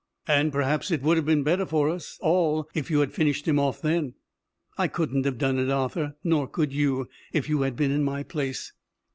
"And perhaps it would have been better for us all if you had finished him off then." "I couldn't have done it, Arthur, nor could you, if you had been in my place."